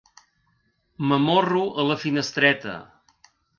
M'amorro a la finestreta.